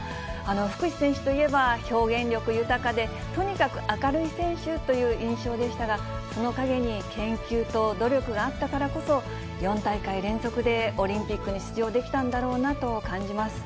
福士選手といえば、表現力豊かで、とにかく明るい選手という印象でしたが、その陰に、研究と努力があったからこそ、４大会連続でオリンピックに出場できたんだろうなと感じます。